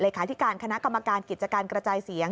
ที่การคณะกรรมการกิจการกระจายเสียง